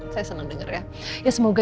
saya senang denger ya ya semoga